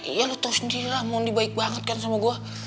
iya lo tau sendiri lah mundi baik banget kan sama gue